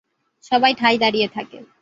সবাই ঠায় দাঁড়িয়ে থাকে।